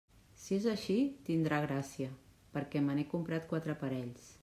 Si és així, tindrà gràcia, perquè me n'he comprat quatre parells.